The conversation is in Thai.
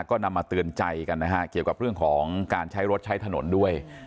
ก็นำมาเตือนใจกันนะฮะเกี่ยวกับเรื่องของการใช้รถใช้ถนนด้วย